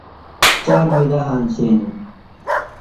چار بی نہ ہنسینیۡ۔